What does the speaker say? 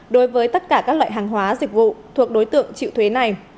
đối với tất cả các loại hàng hóa dịch vụ thuộc đối tượng chịu thuế này